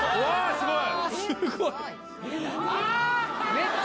すごい！